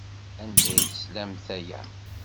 Anda ay teslamt aya?